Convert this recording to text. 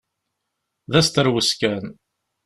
D asterwes kan!